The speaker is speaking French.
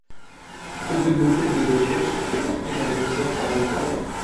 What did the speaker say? Peu de modèles de voitures seront équipés d'un moteur à rotor.